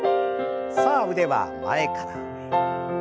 さあ腕は前から上へ。